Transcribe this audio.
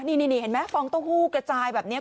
นี่นี่นี่เห็นไหมฟองโต้หู้กระจายแบบเนี้ย